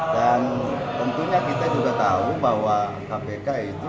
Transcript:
dan tentunya kita juga tahu bahwa kpk itu